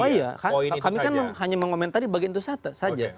oh iya kami kan hanya mengomentari bagian itu saja